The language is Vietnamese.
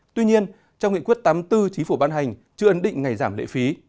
tuy nhiên trong nghị quyết tám mươi bốn chính phủ ban hành chưa ấn định ngày giảm lệ phí